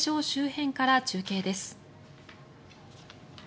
周辺から中継です。